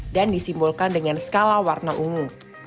dan disimbolkan dengan skala warna ungu